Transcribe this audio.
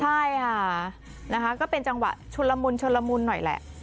ใช่ก็เป็นจังหวะชุนละมุนหน่อยแหละ